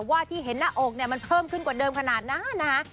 ว่าที่เห็นหน้าอกเนี่ยมันเพิ่มขึ้นกว่าเดิมขนาดนั้นนะฮะ